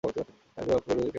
তাহাকে রক্ষা করিবার কেহই নাই?